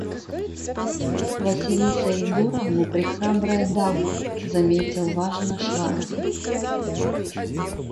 – Василиса Егоровна прехрабрая дама, – заметил важно Швабрин.